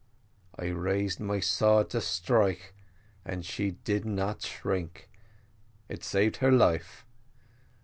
I raised my sword to strike, and she did not shrink: it saved her life.